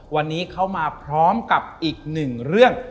วันนี้เข้ามาพร้อมกับอีกหนึ่งเรื่อง